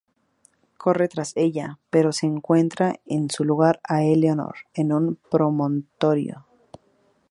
Corre tras ella, pero se encuentra en su lugar a Eleanor en un promontorio.